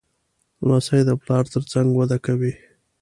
لمسی د پلار تر څنګ وده کوي.